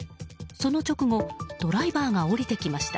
その直後ドライバーが降りてきました。